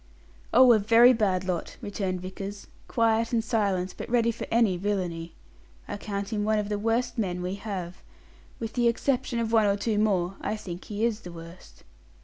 "Oh, a very bad lot," returned Vickers; "quiet and silent, but ready for any villainy. I count him one of the worst men we have. With the exception of one or two more, I think he is the worst."